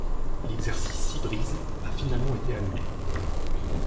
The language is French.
L'exercice Sea Breeze a finalement été annulé.